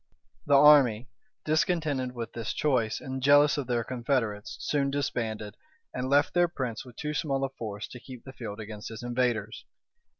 The army, discontented with this choice, and jealous of their confederates, soon disbanded, and left their prince with too small a force to keep the field against his invaders.